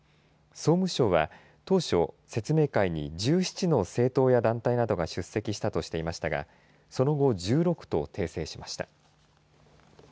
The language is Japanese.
総務省は、当初、説明会に１７の政党や団体などが出席したとしていましたがその後、１６と訂正しました。